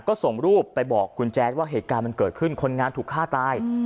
ก็ส่งรูปไปบอกคุณแจ๊ดว่าเหตุการณ์มันเกิดขึ้นคนงานถูกฆ่าตาย